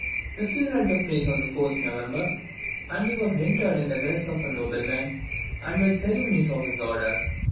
The funeral took place on the 4th November, and he was interred in the dress of a nobleman, and with the ceremonies of his order.